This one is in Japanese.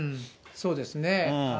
そうですね。